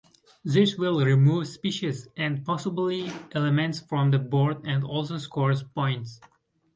This will remove species and possibly Elements from the board and also scores points.